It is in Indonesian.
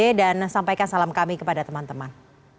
terima kasih bebe dan sampaikan salam kami kepada teman teman